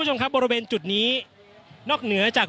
อย่างที่บอกไปว่าเรายังยึดในเรื่องของข้อ